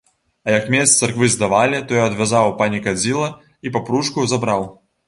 А як медзь з царквы здавалі, то я адвязваў панікадзіла і папружку забраў.